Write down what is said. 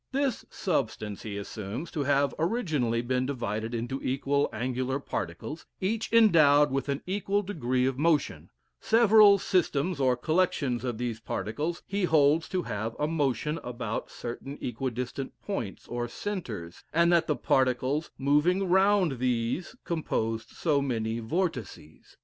This substance he assumes to have originally been divided into equal angular particles, each endowed with an equal degree of motion; several systems or collections of these particles he holds to have a motion about certain equidistant points, or centres, and that the particles moving round these composed so many vortices.